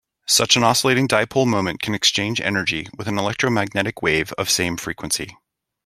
Such an oscillating dipole moment can exchange energy with an electromagnetic wave of same frequency.